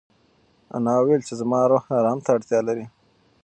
انا وویل چې زما روح ارام ته اړتیا لري.